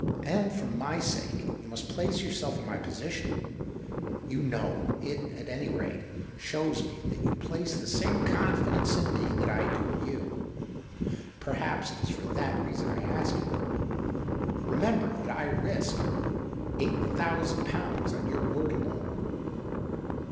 And for my sake — you must place yourself in my position, you know, — it, at any rate, shows me that you place the same confidence in me that I do THE OCTAVE OF CLAUDIUS. Ill in you. Perhaps it is for that reason I ask it. Eemember that I risk eiojht thousand pounds on your word alone."